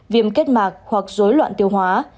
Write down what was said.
viêm kết mạc hoặc dối loạn tiêu hóa